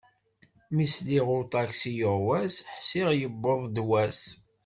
Mi sliɣ i uṭaksi yuɣwas, ḥṣiɣ yewweḍ-d wass.